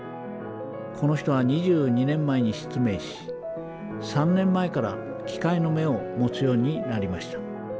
この人は２２年前に失明し３年前から機械の目を持つようになりました。